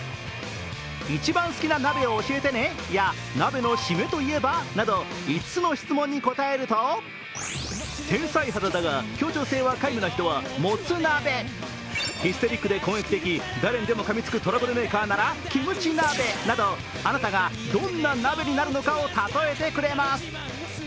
「一番好きな鍋を教えてね」や鍋の〆といえば？など５つの質問に答えると天才肌だが協調性が皆無な人はもつ鍋、ヒステリックで攻撃的誰にでもかみつきトラブルメーカーならキムチ鍋など、あなたがどんな鍋になるのかを例えてくれます。